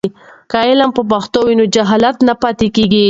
که علم په پښتو وي نو جهل نه پاتې کېږي.